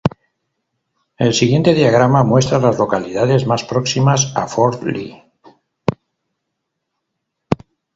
El siguiente diagrama muestra las localidades más próximas a Fort Lee.